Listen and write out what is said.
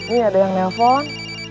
ini ada yang nelfon